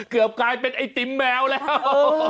เกือบกลายเป็นไอติมแมวแล้ว